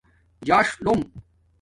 ژاݽ لوم